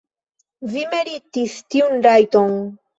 Vi meritis tiun rajton.